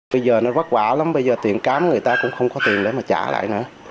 bây giờ nó quát quả lắm bây giờ tiền cám người ta cũng không có tiền để mà trả lại nữa